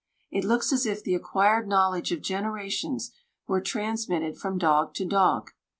It looks as if the acquired knowledge of generations were transmitted from dog to dog.